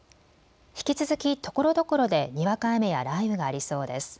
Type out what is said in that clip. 引き続きところどころでにわか雨や雷雨がありそうです。